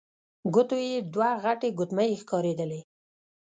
ګوتو يې دوې غټې ګوتمۍ ښکارېدلې.